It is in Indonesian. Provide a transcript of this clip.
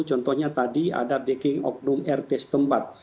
contohnya tadi ada backing oknum rt setempat